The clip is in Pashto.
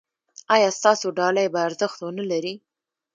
ایا ستاسو ډالۍ به ارزښت و نه لري؟